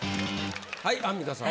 はいアンミカさん。